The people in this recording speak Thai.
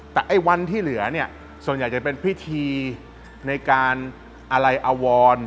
แต่ไอ้วันที่เหลือเนี่ยส่วนใหญ่จะเป็นพิธีในการอะไรอวร